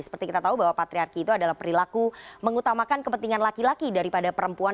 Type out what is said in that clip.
seperti kita tahu bahwa patriarki itu adalah perilaku mengutamakan kepentingan laki laki daripada perempuan